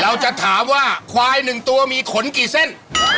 เราจะถามว่าควายหนึ่งตัวมีขนกี่เส้น